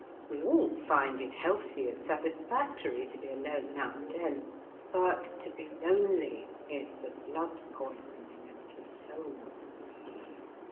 We all find it healthy and satisfactory to be alone now and then ; but to be lonely is the blood poisoning of the soul.